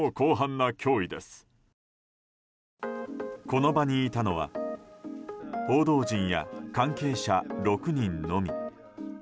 この場にいたのは報道陣や関係者６人のみ。